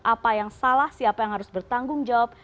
apa yang salah siapa yang harus bertanggung jawab